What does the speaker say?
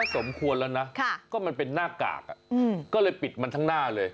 สมควรแล้วนะก็มันเป็นหน้ากากก็เลยปิดมันทั้งหน้าเลย